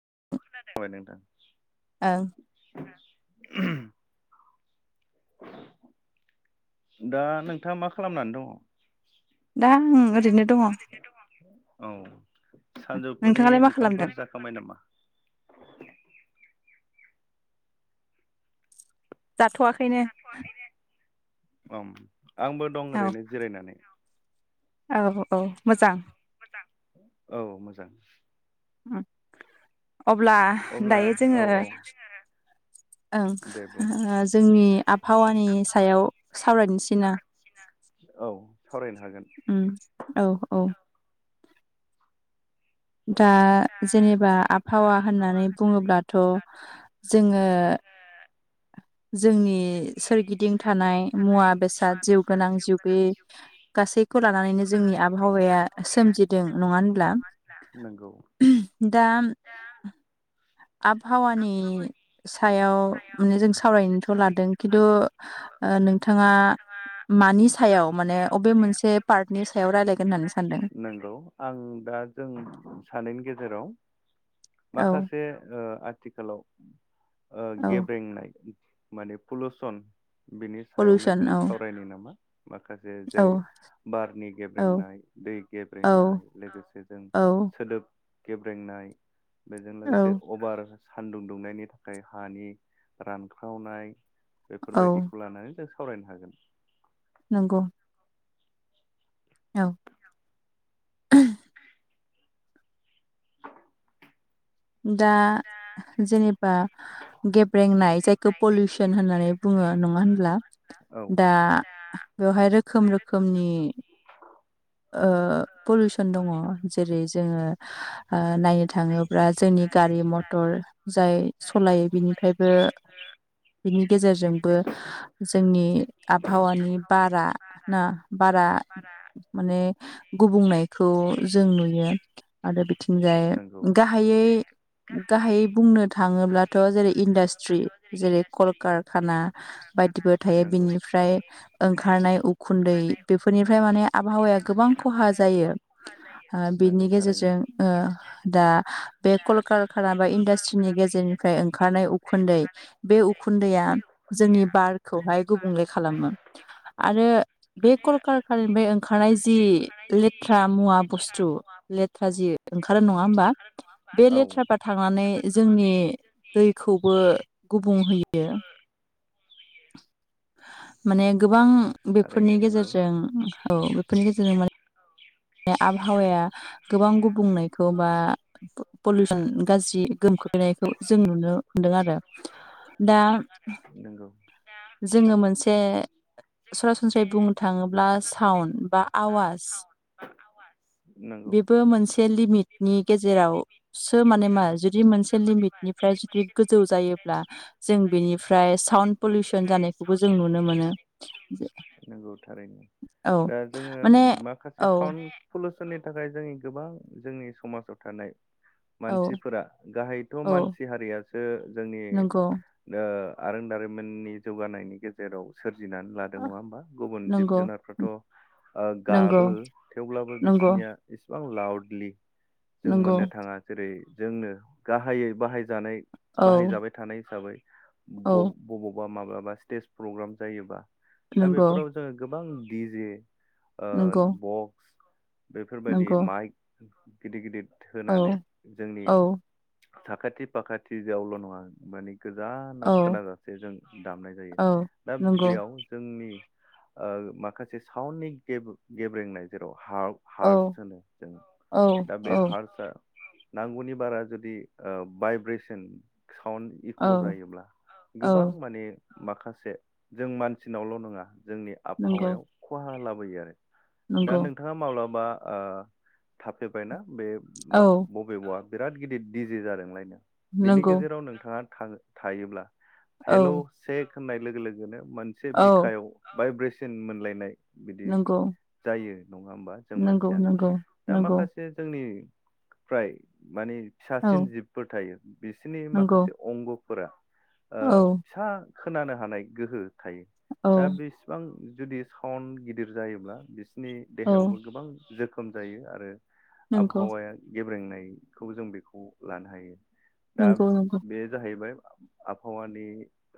[unintelligible] ओं [unintelligible] दा नोंथाङा मा खालामनानै दङ दा आं ओरैनो दङ औ सानजौफुनि नोंथाङालाय मा खालामदों? ओंखामफोर जाखांबाय नामा? जाथ'वाखैनो जाथयाखैनो ओम आंबो दं औ ओरैनो जिरायनानै औ औ मोजां औ मोजां अब्ला अब्ला दायो औ जोङो औ दे बुं ओं जोंनि आबहावानि सायाव सावरायनोसै ना औ सावरायनो हागोन उम औ औ दा जेनेबा आबहावा होननानै बुङोब्लाथ' जोङो जोंनि सोरगिदिं थानाय मुवा बेसाद जिउ गोनां जिउगैयै गासैखौ लानानैनो जोंनि आबहावाया सोमजिदों नङा होनब्ला नंगौ दा आबहावानि सायाव माने जों सावरायनोथ' लादों खिन्थु ओ नोंथाङा मानि सायाव माने अबे मोनसे पार्टनि सायाव रायलायगोन होननानै सानदों। होननानै नंगौ आं दा जों सानैनि गेजेराव औ माखासे ओ आथिखालाव ओ औ गेब्रेंनाय माने पलुसन बिनि सायावनो पलिउसन जों औ सावरायनि नामा माखासे औ जेरै बारनि औ गेब्रेंनाय दै औ गेब्रेंनाय लोगोसे जों औ सोदोब गेब्रेंनाय बेजों लोगोसे औ अभार सानदुं दुंनायनि थाखाय हानि रानख्रावनाय औ बेफोरबायदिखौ लानानै जों स सावरायनो हागोन नंगौ औ दा जेनेबा गेब्रेंनाय जायखौ पलिउसन होननानै बुङो नङा होनब्ला औ दा बेवहाय रोखोम रोखोमनि ओ पलिउसन दङ जेरै जोङो नायनो ओ थाङोब्ला जोंनि गा गारि मथर जाय सालायो बिनिफ्रायबो बिनि गेजेरजोंबो जोंनि आबहावानि बारा ना बारा माने गुबुंनायखौ जों नुयो आरो बिथिंजाय नंगौ गाहायै गाहायै बुंनो थाङो ब्लाथ' जेरै इन्डास्ट्रि जेरै कलकारखाना बायदिबो थायो नंगौ बिनिफ्राय ओंखारनाय उखुन्दै बेफोरनिफ्राय माने आबहावाया गोबां खहा जायो आओ नंगौ बिनि थारैनो गेजेरजों ओ दा बे कलकारखाना बा इन्डास्ट्रिनि गेजेरजों निफ्राय ओंखारनाय उखुन्दै बे उखुन्दैआ जोंनि बारखौहाय गुबुंले खालामो बेखाना आरो बे कलकारकानिफ्राय ओंखारनाय जि लेथ्रा मुवा बुस्थु लेथ्रा जि ओंखारो नङा होमबा बे औ लेथ्राफ्रा थांनानै जोंनि दैखौबो गुबुं होयो माने गोबां बेफोरनि थारैनो नंगौ गेजेरजों औ बेफोरनि गेजेरजों माने आबहावाया गोबां गुबुंनायखौ बा पलिउसन गाज्रि गोहोम खोखैनाय जों नुनो मोनदों आरो दा नंगौ जोङो मोनसे सरासनस्रायै बुंनो थाङोब्ला साउन्ड बा आवाज आवाज बेबो मोनसे लिमिटनि गेजेरावसो माने मा जुदि मोनसे लिमिट निफ्राय जुदि गोजौ जायोब्ला जों बेनिफ्राय साउसन पलुसन जानायखौबो जों नुनो मोन मोनो मोनो। नंगौ थारैनो औ माने जे औ साउन्ड पलिउसननि थाखाय जोंनि गोबां जोंनि समाजाव थानाय औ मानसिफोरा गाहायथ' औ मानसि हारियासो जोंनि नंगौ ओ आरों दारिमिननि जौगानायनि गेजेराव सोर जिनानै लादों नङा होमबा गुबुन जिब नंगौ जुनारफ्राथ' नंगौ गाबो थेवब्लाबो नंगौ बिसिनि निया इस बिबां लाउडलि जों नंगौ मोननो थाङा जेरै जोंनो गाहायै बाहायजानाय औ बाहायजाबाय थानाय हिसाबै ब औ बबावबा माबाबा स्टेज प्रग्राम जायोबा दा नंगौ बेफोराव जोङो गोबां दिजे ओ नंगौ बक्स बेफोरबायदि नंगौ माइक गिदिर गिदिर औ होनानै जोंनि औ साखाथि फाखाथि जयावल' नङा मानि गोजानाव औ खोनाजासे जों दामनाय जायो औ दा नंगौ बेयाव जोंनि माखासे साउन्डनि गेब्रेंनाय जेराव औ हार्स होनो जों औ दा बे औ हार्सा नांगौनि बारा जुदि ओ भाइब्रेसन साउन्ड इक' औ जायोब्ला औ गोबां माने माखासे जों मानसिनावल' नङा जोंनि नंगौ आबहावायाव खहा लाबोयो आरो दा नंगौ नोंथाङा माब्लाबा ओ थाफेरबायना बे औ मा-बबेबा बिराद गिदिर दिजे जादोंलायनो बिनि नंगौ गेजेराव नोंथाङा थाङो थायोब्ला औ हेल' सेक होननाय लोगो लोगोनो मोनसे औ बिखायाव भाइब्रेसन मोनलायनाय बिदि नंगौ जायो नङा होमबा जों नंगौ मानसियानो नंगौ दा नंगौ माखासे जोंनि फ्राय माने औ फिसासिन जिबफोर थायो बिसिनि नंगौ माखासे अंगफोरा ओ औ फिसा खोनानो हानाय गोहो थायो औ दा बिसिबां - जुदि सावन्ड गिदिर जायोब्ला बिसोरनि औ देहायावबो गोबां जोखोम जायो आरो नंगौ आबहावाया गेब्रेंनायखौ जों बेखौ लानो हायो। दा नंगौ नंगौ बे जाहैबाय आबहावानि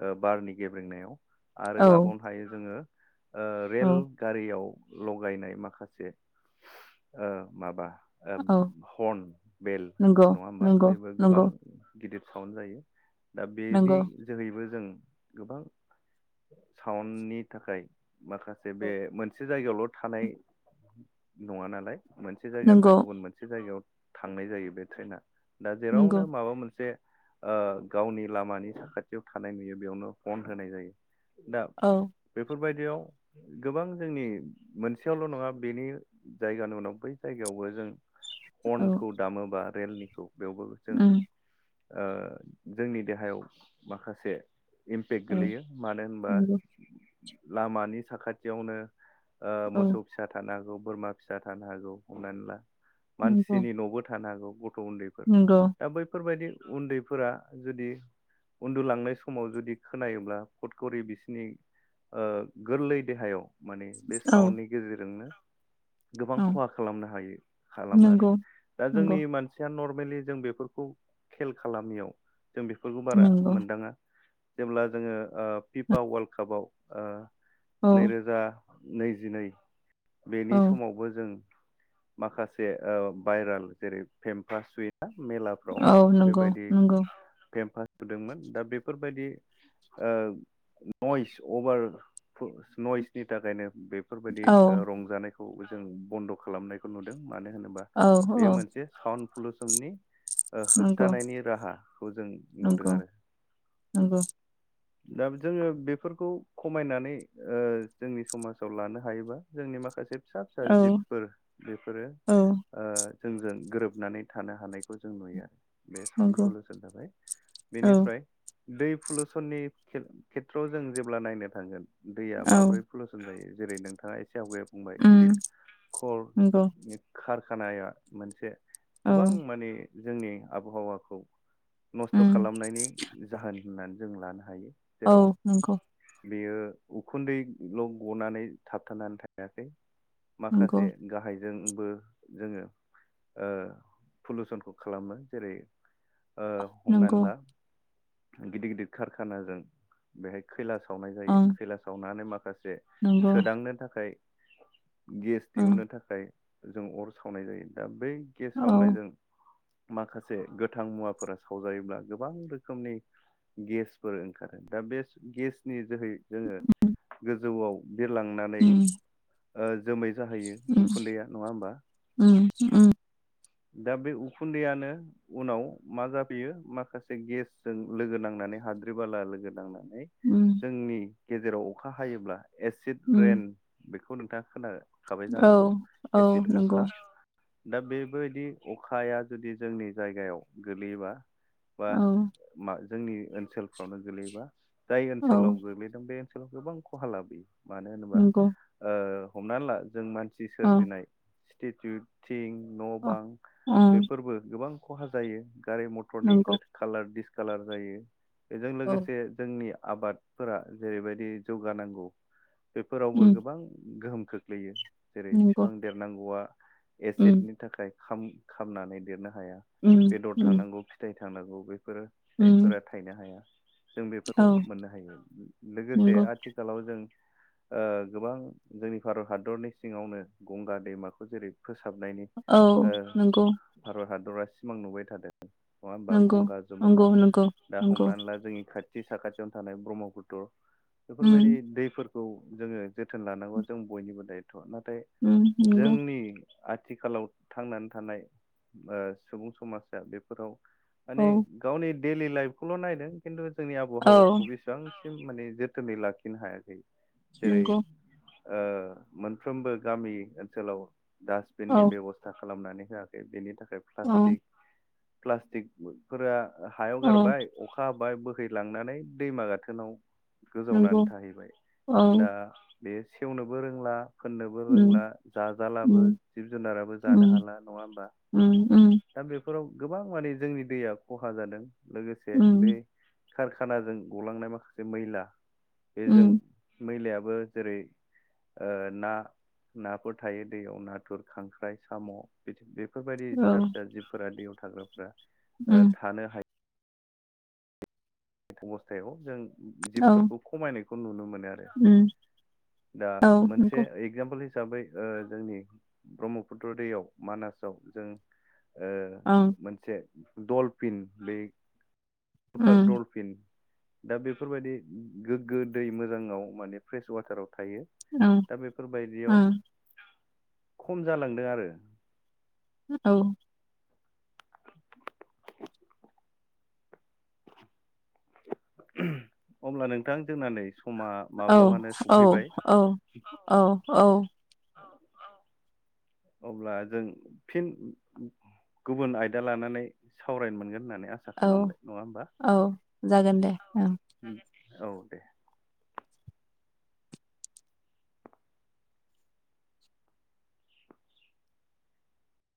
ओ बारनि गेब्रेंनायाव आरो औ लाबावनो हायो जोङो ओ औ रेल गारियाव लगायनाय माखासे ओ माबा ओ औ हर्न बेल नंगौ नङा होमबा नंगौ बेबो गोबां नंगौ गिदिर साउन्ड जायो दा बेनि नंगौ जोहैबो जों गोबां सउन्नि थाखाय माखासे बे मोन ‌ से जायगायावल' थानाय नङा नालाय मोनसे जायगानिानिफ्राय नंगौ गुबुन मोनसे जायगायाव थांनाय जायो बे ट्रेना दा नंगौ जेरावनो माबा मोनसे ओ गावनि लामानि साखाथियाव थानाय नुयो बेयावनो हर्न होनाय जायो। दा औ बेफोरबाय इयाव गोबां जोंनि मोनसेयावल' नङा बेनि जायगानि उनाव बै जायगायावबो जों औ हर्नखौ दामोबा रेलनिखौ बेवबो जों उम ओ जोंनि देहायाव माखासे इमपेक्ट औ गोलैयो मानो होनबा नंगौ लामानि साखाथियावनो ओ औ मोसौ फिसा थानो हागौ बोरमा फिसा थानो हागौ हमनानै ला नंगौ मानसिनि न'बो थानो हागौ गथ' उन्दैफोर नंगौ दा बैफोरबायदि उन्दैफोरा जुदि उन्दुलांनाय समाव जुदि खोनायोब्ला फथखरि बिसिनि ओ गोरलै देहायाव माने बे औ साउन्डनि गेजेरजोंनो गोबां औ खहा खालामनो हायो खालामो आरो नंगौ दा नंगौ जोंनि मानसि नर्मेलि जों बेफोरखौ खेल खालामियाव जों बेफोरखौ बारा नंगौ मोनदाङा जेब्ला जोङो ओ फिफा वार्ल्ड कापाव ओ औ नैरोजा नैजिनै बेनि औ समावबो जों माखासे ओ भायराल जेरै फेम्फा सुयो ना मेलाफ्राव औ नंगौ बेबायदि नंगौ फेम्फा सुदोंमोन दा बेफोरबायदि ओ नइस अभार [unintelligible] नइसनि थाखायनो बेफोरबायदि औ ओ रंजानायखौ जों बन्द' खालामनायखौ नुदों मानो होनोबा औ बेयो औ मोनसे साउन्ड पलुसननि ओ नंगौ होबथानायनि राहाखौ जों नुदों नंगौ आरो। नंगौ दा जोङो बेफोरखौ खमायनानै ओ जोंनि समाजाव लानो हायोबा जोंनि माखासे फिसा फिसा औ जिबफोर बेफोरो औ ओ जोंजों गोरोब नानै थानो हानायखौ जों नुयो बे साउन्ड नंगौ पलुसन थाखाय औ बेनिफ्राय दै पलुसननि खेथ-खेथ्रआव जों जेब्ला नायनो थांगोन दैया औ माबोरै पलुसन जायो जेरै नोंथाङा एसे आवगायाव बुंबाय उम गिदिद खर नंगौ खार खानाया मोनसे औ गोबां माने जोंनि आबहावाखौ नस्थ' उम खालामनायनि जाहोन होननानै जों लानो हायो। औ जेराव नंगौ। बेयो उखुन्दैल' गनानै थाबथानानै थायाखै नंगौ माखासे गाहायजोंबो जोङो ओ पलुसनखौ खालामो ओ जेरै हमनानै नंगौ ला गिदिर गिदिर कारखानाजों बेहाय खैला सावनाय जायो ओं खैला सावनानै मा खासे नंगौ सोदांनो थाखाय गेस ओं दिहुनन्नो थाखाय जों अर सावनाय जायो दा बै गेस औ। सावनायजों माखासे गोथां मुवाफोरा सावजायोब्ला गोबां रोखोमनि गेसफोर ओंखारो दा बे गेसनि जोहै जोङो गोजौआव बिरलांनानै उम ओ जोमै जाहैयो उम उखुन्दैया नङा होमबा? उम उम दा बे उखुन्दैयानो उनाव मा जाफैयो माखासे गेसजों लोगो नांनानै हाद्रि बाला लोगो नांनानै नै उम जोंनि गेजेराव अखा हायोब्ला एसिड उम रेन बेखौ नोंथाङा खोना खाबाय औ जानांगौ औ एसिड नंगौ अखा दा बेबायदि अखाया जुदि जोंनि जायगायाव गोगलैबा बा औ मा जोंनि ओनसोलफ्रावनो गोग्लैयोबा जाय औ ओनसोलाव गोग्लैदों बे ओनसोलाव गोबां खहा लाबोयो। मानो होनोबा नंगौ ओ हमनानै ला जों मानसि अ सोरजिनाय जिटु थिं न' अ बां ओं बेफोरबो गोबां खहा जायो। गारि मथरनि नंगौ खालार दिडिसकालार जायो बेजों औ लोगोसे जोंनि आबादफोरा जेरैबायदि जौगानांगौ बेफोरावबो उम गोबां गोहोम खोख्लैयो जेरै बिफां नंगौ देरनांगौआ उम एसिडनि थाखाय खाम खामनानै देरनो हाया उम बेदर उम थांनांगौ फिथाइ थांनांगौ बे फोर उम फिथाइफोरा थायनो हाया। जों बेफोरखौ औ मोननो हायो लोगोसे नंगौ आथिखालाव जों ओ गोबां जोंनि भारत हादरनि सिङावनो गंगा दैमाखौ जेरै फोसाबनायनि उम्म नंगौ। दरा सिमां नुबाय थादों नङा होमबा नंगौ गंगा जमुना नंगौ नंगौ दा नंगौ हमनानै ला जोंनि खाथि थि साखाथियावनो थानाय ब्रह्मपुत्र उम बेफोरबायदि दैफोर खौ जोङो जोथोन लानांगौ जों बयनिबो दायथ' नाथाय उम नंगौ जोंनि आथिखालाव थांनानै थानाय ओ सुबुं समाजा बेफोराव औ माने गावनि दैडलि लाइफखौल' नायदों खिन्थु जोंनि औ आबहावाखौ बेसेबां माने जोथोनै लाखिनो हायाखै जेरै नंगौ ओ मोनफ्रोमबो गामि ओनसोलाव डासटबिननि बेब'स्था खालामनानै होयाखै बेनि थाख उम्म। प्लास्टिक फोरा हायाव औ गारबाय अखा हाबा बाय बोहैलांनानै दैमा गाथोनाव नंगौ गोजावनानै थाहैबाय औ दा बे सेवनोबो रोंला फोननोबो रोंला उम जाजालाबो उम जिब जुनाराबो जानो उम हाला नङा होमबा उम उम दा बेफोराव गोबां माने जोंनि दैया खहा जादों। लोगोसे बे उम कारखानाजों गलांनाय माखासे मैला बेजों उम मैलाया बो जेरै ना नाफोर थायो दैयाव नाथुर खांख्राय साम' बेफोरबायदि औ फिसा फिसा जिबफोरा दैयाव थाग्राफोरा ओ उम थानो हायि अबस्थायाव जों औ जिबफोरखौ खमायनायखौ नुनो मोनो आरो। उम दा औ मोनसे नंगौ एक्जामपोल हि हिसाबै जोंनि ब्रह्मपुत्र दैयाव मानासाव जों ओं मोनसे दलफिन बे जफार उम डलफिन दा बेफोरबायदि गोग्गो दै मोजाङाव माने फ्रेस वाटाराव थायो ओं दा बेफोरबायदियाव खम जालांदों आरो। औ अब्ला नोंथां जोंनानै औ औ औ औ औ अब्ला जों फिन गुबुन आयदा लानानै सावरायनो मोनगोन होननानै आसा औ खालामबाय नङा होमबा औ जागोन दे ओं औ दे